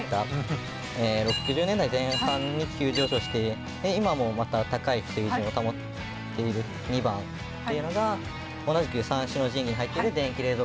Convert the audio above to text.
６０年代前半に急上昇して今もまた高い水準を保っている②番っていうのが同じく三種の神器に入ってる電気冷蔵庫だろうと。